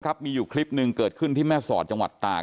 มีอยู่คลิปหนึ่งเกิดขึ้นที่แม่สอดจังหวัดตาก